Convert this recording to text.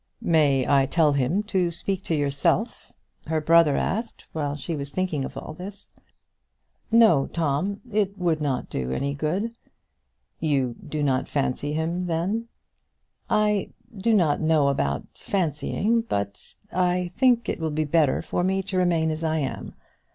"May I tell him to speak to yourself?" her brother asked, while she was thinking of all this. "No, Tom; it would do no good." "You do not fancy him, then." "I do not know about fancying; but I think it will be better for me to remain as I am.